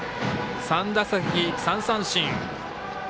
３打席、３三振。